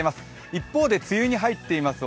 一方で梅雨に入っています